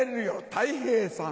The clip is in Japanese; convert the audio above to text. たい平さん。